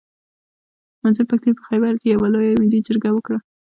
منظور پښتين په خېبر کښي يوه لويه ملي جرګه وکړه.